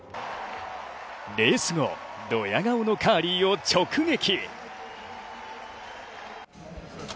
レース後、どや顔のカーリーを直撃。